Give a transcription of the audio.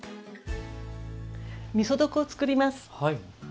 みそ床を作ります。